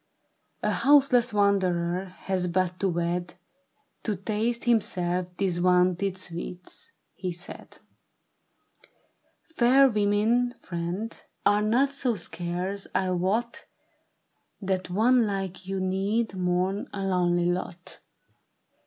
'* A houseless wanderer has but to wed, To taste himself these vaunted sweets," he said ;*' Fair women, friend, are not so scarce, I wot, That one like you need mourn a lonely lot " ISABEL MA YXOR.